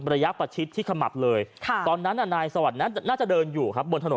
ระยะประชิดที่ขมับเลยค่ะตอนนั้นนายสวัสดิ์นั้นน่าจะเดินอยู่ครับบนถนน